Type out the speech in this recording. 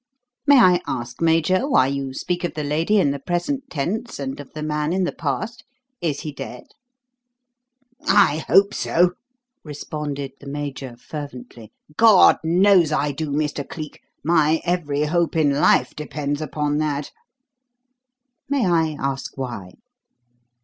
"May I ask, Major, why you speak of the lady in the present tense and of the man in the past? Is he dead?" "I hope so," responded the Major fervently. "God knows I do, Mr. Cleek. My every hope in life depends upon that." "May I ask why?"